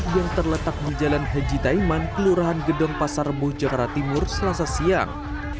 yang terletak di jalan haji taiman kelurahan gedong pasar rebuh jakarta timur selasa siang